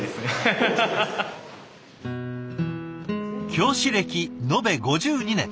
教師歴延べ５２年。